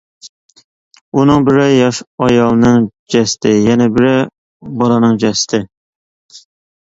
ئۇنىڭ بىرى، ياش ئايالنىڭ جەسىتى، يەنە بىرى بالىنىڭ جەسىتى.